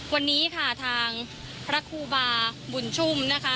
วันนี้ค่ะทางพระครูบาบุญชุ่มนะคะ